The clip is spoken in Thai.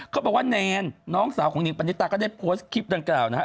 เขาบอกว่าแนนน้องสาวของหิงปณิตาก็ได้โพสต์คลิปดังกล่าวนะฮะ